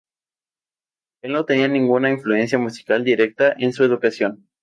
Él no tenía ninguna influencia musical directa en su educación.